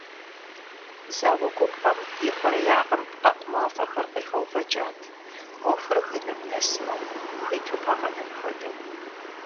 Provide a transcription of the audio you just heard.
Зауэ губгъуэм и хъуреягъым пкъэкъу мафӏэхэр къегъэувэкӏат, ӏуэхур гыным нэсмэ, хуиту пагъэнэн хуэдэу.